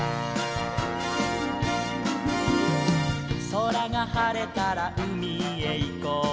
「そらがはれたらうみへいこうよ」